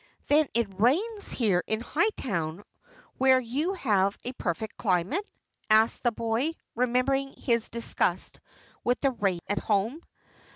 "Then it rains here in Hightown where you have a perfect climate?" asked the boy, remembering his disgust with the rain at home.